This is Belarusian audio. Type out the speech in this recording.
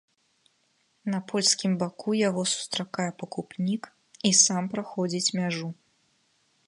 На польскім баку яго сустракае пакупнік і сам праходзіць мяжу.